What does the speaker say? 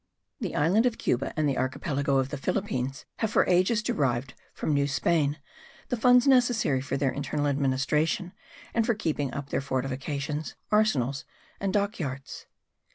The island of Cuba and the archipelago of the Philippines have for ages derived from New Spain the funds necessary for their internal administration and for keeping up their fortifications, arsenals and dockyards.